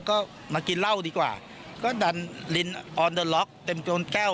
ก็มากินเหล้าดีกว่าก็ดันลินออนเดอร์ล็อกเต็มโจรแก้ว